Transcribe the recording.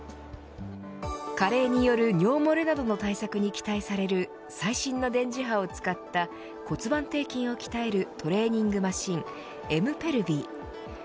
加齢による尿漏れなどの対策に期待される最新の電磁波を使った骨盤底筋を鍛えるトレーニングマシンエムペルビー。